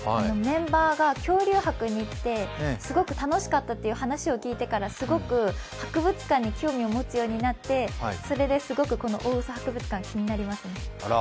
メンバーが恐竜博に行って、すごく楽しかったという話を聞いてから、すごく博物館に興味を持つようになって、それですごく大嘘博物館気になりますね。